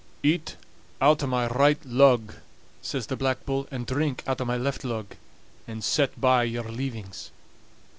"Eat out o' my right lug," says the Black Bull, "and drink out o' my left lug, and set by your leavings."